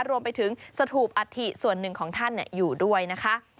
รวมไปถึงสถูปอัฐิส่วนหนึ่งของท่านอยู่ด้วยนะคะ